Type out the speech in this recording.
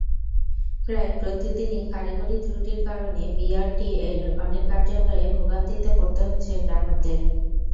প্রায় প্রতিদিনই কারিগরি ত্রুটির কারণে বিআরটিএর অনেক কার্যালয়ে ভোগান্তিতে পড়তে হচ্ছে গ্রাহকদের।